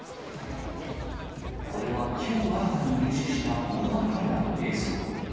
これはきょう新たに入手した防犯カメラの映像。